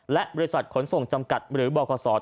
และบริษัทขนส่งจำกัดหรือบคศ